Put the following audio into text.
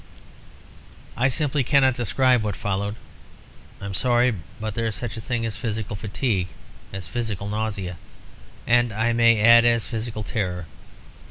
"I simply cannot describe what followed. I am sorry, but there is such a thing as physical fatigue, as physical nausea, and, I may add, as physical terror.